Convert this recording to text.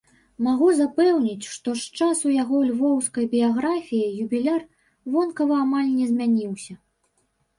Магу запэўніць, што з часу яго львоўскай біяграфіі юбіляр вонкава амаль не змяніўся.